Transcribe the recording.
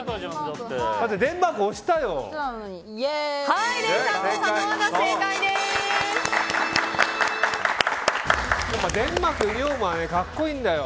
デンマーク推したよ。